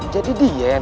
jadi dia yang